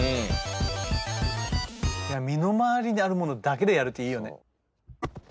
身の回りにあるものだけでやるっていいよね。